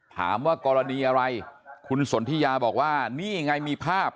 ถามว่ากรณีอะไรคุณสนทิยาบอกว่านี่ไงมีภาพ